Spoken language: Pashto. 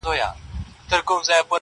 o څومره له حباب سره ياري کوي.